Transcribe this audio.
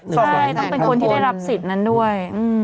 ใช่ต้องเป็นคนที่ได้รับสิทธิ์นั้นด้วย